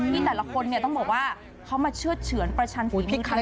แต่ละคนเนี่ยต้องบอกว่าเขามาเชื่อดเฉือนประชันฝีใคร